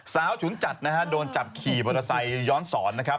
สาวฉุนจัดโดนจับขี่บริษัทย้อนศรนะครับ